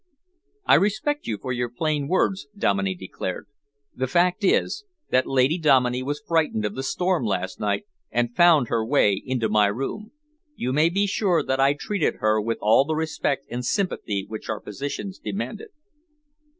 "I respect you for your plain words," Dominey declared. "The fact is, that Lady Dominey was frightened of the storm last night and found her way into my room. You may be sure that I treated her with all the respect and sympathy which our positions demanded."